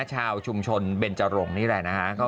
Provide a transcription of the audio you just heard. ชาวชุมชนเบนจรงนี่แหละนะฮะ